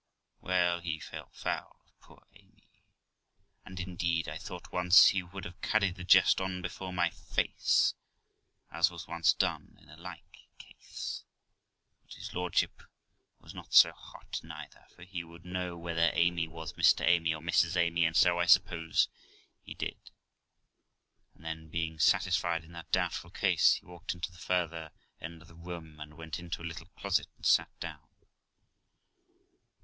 Well, he fell foul of poor Amy, and, indeed, I thought once he would 304 THE LIFE OF ROXANA have carried the jest on before my face, as was once done in a like casei but his lordship was not so hot neither, but he would know whether Amy was Mr Amy or Mrs Amy, and so, I suppose, he did; and then, being satisfied in that doubtful case, he walked to the farther end of the room, and went into a little closet and sat down.